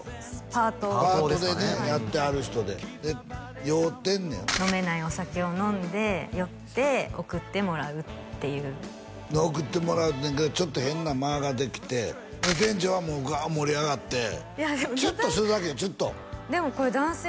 パートパートでねやってはる人でで酔うてんねん飲めないお酒を飲んで酔って送ってもらうっていう送ってもらうねんけどちょっと変な間ができて店長はもうガーッ盛り上がっていやでもチュッとするだけやチュッとでもこれ男性